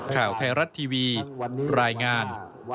ข่าวไทยรัฐทีวีรายงาน